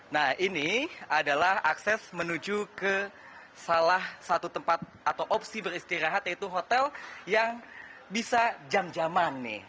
nah ini adalah akses menuju ke salah satu tempat atau opsi beristirahat yaitu hotel yang bisa jam jaman nih